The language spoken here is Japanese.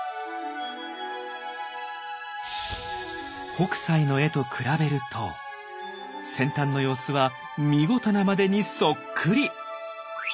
北斎の絵と比べると先端の様子は見事なまでにそっくり！